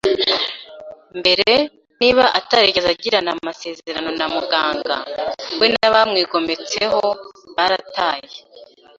mbere. Niba atarigeze agirana amasezerano na muganga, we n'abamwigometseho, barataye